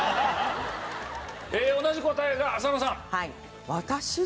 同じ答えが浅野さん。